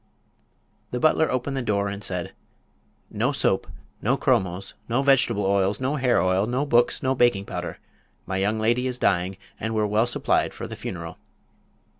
The butler opened the door and said: "No soap, no chromos, no vegetables, no hair oil, no books, no baking powder. My young lady is dying and we're well supplied for the funeral."